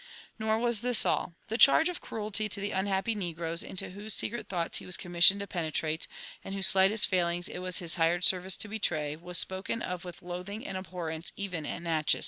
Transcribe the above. Nor was this all. The charge of cruelly to the unhappy negroes, into whose secret thoughts he was commissioned to penetrate, and whose slightest failings ijt was his hired service to betray, was spoken of with loathing and abhorrence even at Natchez.